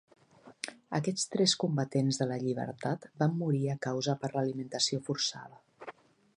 Aquests tres combatents de la llibertat van morir a causa per l'alimentació forçada.